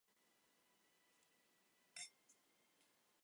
欧风咖哩亦有用奶油炒面糊来令煮出来的咖喱汁变稠成为咖喱酱。